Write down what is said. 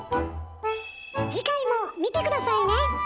次回も見て下さいね！